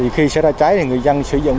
khi xảy ra trái thì người dân sử dụng